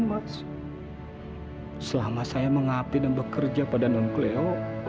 mas selama saya mengapi dan bekerja pada nonkeleo